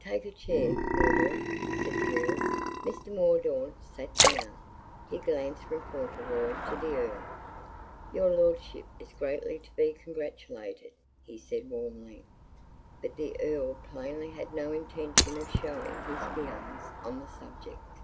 "Take a chair, Mordaunt," said the Earl. Mr. Mordaunt sat down. He glanced from Fauntleroy to the Earl. "Your lordship is greatly to be congratulated," he said warmly. But the Earl plainly had no intention of showing his feelings on the subject.